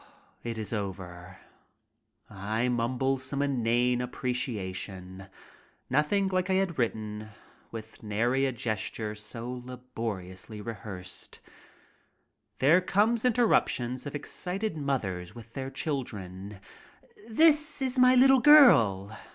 It is over. I mumble some inane appreciation. Nothing like I had written, with nary a gesture so laboriously rehearsed. There comes interruptions of excited mothers with their children. "This is my little girl."